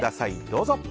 どうぞ。